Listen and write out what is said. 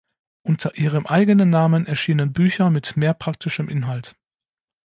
Unter ihrem eigenen Namen erschienen Bücher mit mehr praktischem Inhalt.